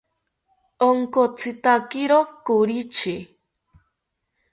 Onkotzitakiro koritzi